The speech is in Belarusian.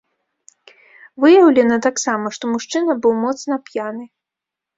Выяўлена таксама, што мужчына быў моцна п'яны.